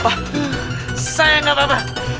pak narji enggak apa apa